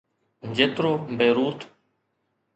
جيترو بيروت.